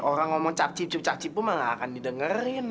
orang ngomong capcip capcip capcip pun mah gak akan didengerin